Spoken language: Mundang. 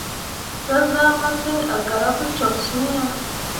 Zah zaa masǝŋ a gara pu toksyiŋ ah.